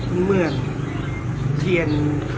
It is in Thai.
มันเหมือนเทียน